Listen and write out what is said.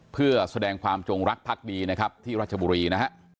เพื่อแสดงความจงรักพักดีนะครับที่รัชบุรีนะฮะ